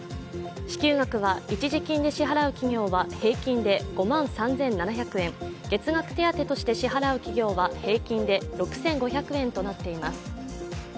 支給額は一時金で支払う企業は平均で５万３７００円、月額手当として支払う企業は平均で６５００円となっています。